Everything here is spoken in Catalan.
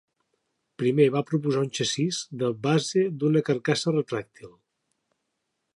Primer va proposar un xassís de "base d'una carcassa retràctil".